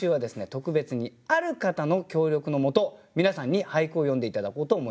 特別にある方の協力のもと皆さんに俳句を詠んで頂こうと思います。